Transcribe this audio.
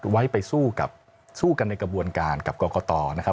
ไว้ไปสู้กับสู้กันในกระบวนการกับกรกตนะครับ